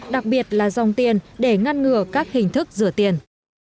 đặc biệt là dòng tiền để ngăn ngừa các hình thức rửa tiền